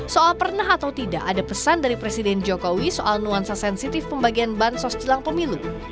soal pernah atau tidak ada pesan dari presiden jokowi soal nuansa sensitif pembagian bansos jelang pemilu